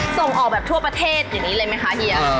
ส่งออกแบบทั่วประเทศอย่างนี้เลยไหมคะเฮีย